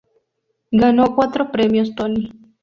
Ganó cuatro premios Tony.